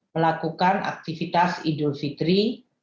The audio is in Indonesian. melakukan aktivitas idul fitri